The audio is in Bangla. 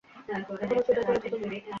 এখনও ছুটেই চলেছ তুমি!